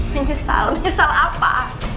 menyesal menyesal apa